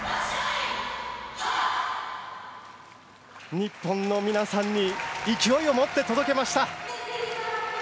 日本の皆さんに勢いを持って届けました。